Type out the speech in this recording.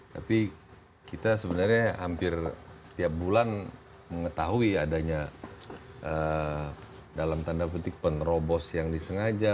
tapi kita sebenarnya hampir setiap bulan mengetahui adanya dalam tanda petik penerobos yang disengaja